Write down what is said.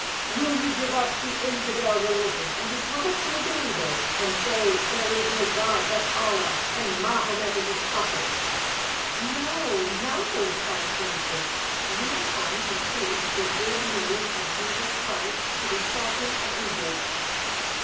"Will you give up the infidel religion and become a true believer and say 'There is no God but Allah, and Mahomet is his prophet?'" "No, no," cried Francis, "we are come to preach the Good News of Jesus Christ to the Sultan of Egypt."